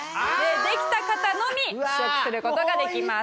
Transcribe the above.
できた方のみ試食する事ができます。